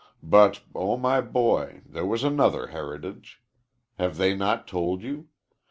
But, oh, my boy, there was another heritage! Have they not told you?